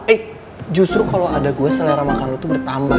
eh justru kalo ada gue selera makan lo tuh bertambah